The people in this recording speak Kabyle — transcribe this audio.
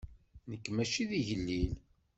Nekk maci d igellil.